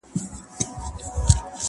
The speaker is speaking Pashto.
د تندې کرښو راوستلی یم د تور تر کلي!!